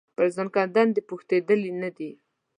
پر زکندن دي پوښتېدلی نه دی